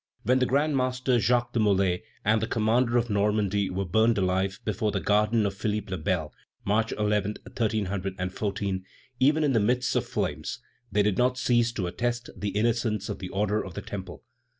When the grand master, Jacques de Molay, and the commander of Normandy were burned alive before the garden of Philippe le Bel, March 11, 1314, even in the midst of flames, they did not cease to attest the innocence of the Order of the Temple.